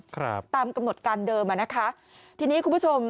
ครับตามกำหนดการเดิมอ่ะนะคะทีนี้คุณผู้ชม